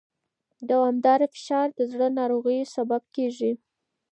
دوامداره فشار د زړه ناروغیو سبب کېږي.